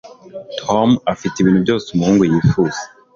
Tom afite ibintu byose umuhungu yifuza.